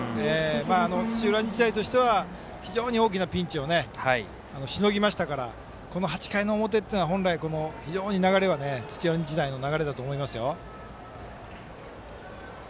土浦日大としては非常に大きなピンチをしのぎましたからこの８回の表というのは本来、流れは土浦日大の流れだと思います。